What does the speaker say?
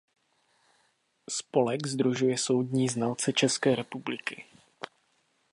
Spolek sdružuje soudní znalce České republiky.